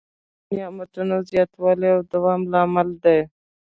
شکر کول د نعمتونو د زیاتوالي او دوام لامل دی.